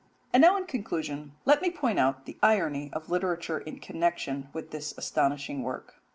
And now in conclusion let me point out the irony of literature in connection with this astonishing work.